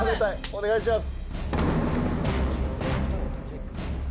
お願いします。